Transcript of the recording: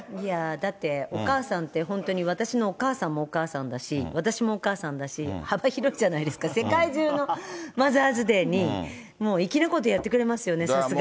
だって、お母さんって、本当に私のお母さんもお母さんだし、私もお母さんだし、幅広いじゃないですか、世界中のマザーズデーに、もう粋なことやってくれますよね、さすが。